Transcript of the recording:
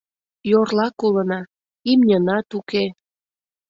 — Йорлак улына, имньынат уке...